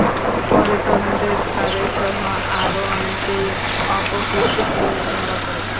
পরে তদন্তে তাঁদেরসহ আরও অনেকের অপকীর্তি ধরা পড়ে।